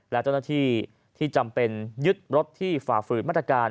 และเจ้าหน้าที่ที่จำเป็นยึดรถที่ฝ่าฝืนมาตรการ